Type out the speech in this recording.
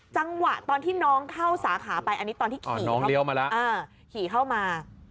จังหวะตอนที่น้องเข้าสาขาไปอันนี้ตอนที่ขี่เข้ามา